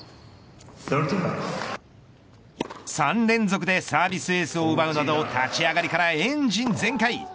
３連続でサービスエースを奪うなど立ち上がりからエンジン全開。